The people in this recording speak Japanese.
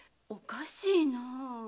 おかしいなあ。